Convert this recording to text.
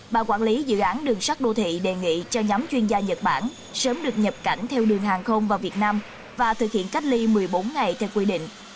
bà quản lý dự án đường sắt đô thị đề nghị cho nhóm chuyên gia nhật bản sớm được nhập cảnh theo đường hàng không vào việt nam và thực hiện cách ly một mươi bốn ngày theo quy định